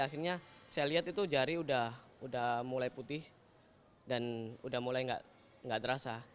akhirnya saya lihat itu jari udah mulai putih dan udah mulai nggak terasa